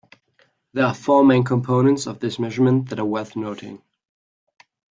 There are four main components of this measurement that are worth noting.